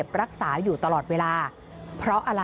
ที่สำคัญนะคะคุณผู้ชมตำรวจบอกยังไม่น่าไว้วางใจ